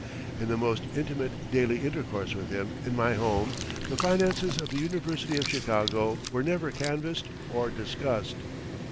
In the most intimate daily intercourse with him in my home, the finances of the University of Chicago were never canvassed or discussed.